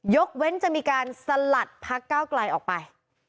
ยกเว้นจะมีการสลัดพักเก้าไกลออกไป